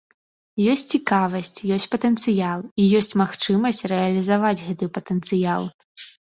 Ёсць цікавасць, ёсць патэнцыял і ёсць магчымасць рэалізаваць гэты патэнцыял.